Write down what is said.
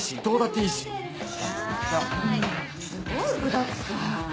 はいすごい具だくさん。